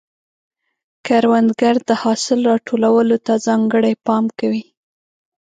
کروندګر د حاصل راټولولو ته ځانګړی پام کوي